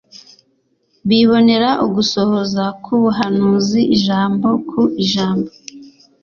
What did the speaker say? Bibonera ugusohora k'ubuhamizi ijambo ku ijambo.